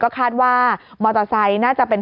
คาดว่ามอเตอร์ไซค์น่าจะเป็น